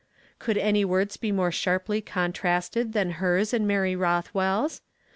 323 Could any words be more sharply contested than he« and Mary Rothwoll's ?